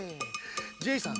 ジェイさん